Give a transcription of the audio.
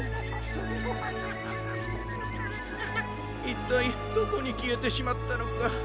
いったいどこにきえてしまったのか。